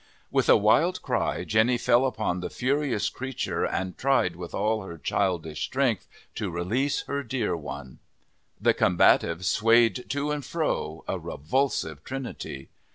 With a wild cry, Jenny fell upon the furious creature and tried, with all her childish strength, to release her dear one. The combatives swayed to and fro, a revulsive trinity.